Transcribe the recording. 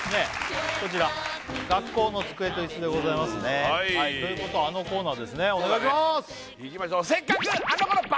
こちらはい学校の机と椅子でございますねはいということはあのコーナーですねお願いしますいきましょうイエーイ！